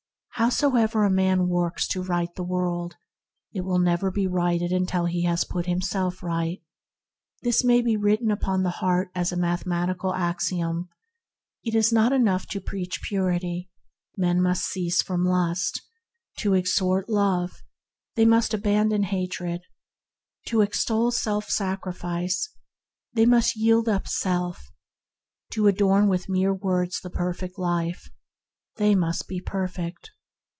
Howsoever a man works to right the world, it will never be righted until he has put himself right. This may be written upon the heart as a mathematical axiom. It is not enough to preach Purity, men must cease from lust; to exhort to love, they must abandon hatred; to extol self sacrifice, they must yield up self; to adorn with mere words the Perfect Life, they must be perfect.